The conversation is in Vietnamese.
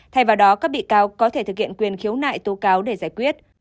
thay vào đó các bị cáo có thể thực hiện quyền khiếu nại tố cáo để giải quyết